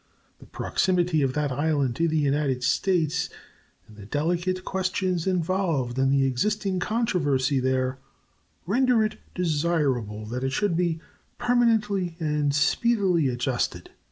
The proximity of that island to the United States and the delicate questions involved in the existing controversy there render it desirable that it should be permanently and speedily adjusted.